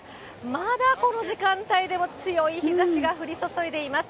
まだこの時間帯でも強い日ざしが降り注いでいます。